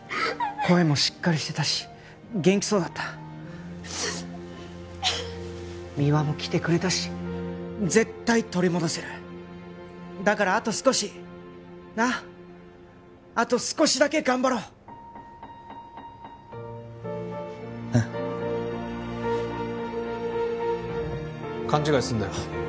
声もしっかりしてたし元気そうだった三輪も来てくれたし絶対取り戻せるだからあと少しなっあと少しだけ頑張ろうああ勘違いすんなよ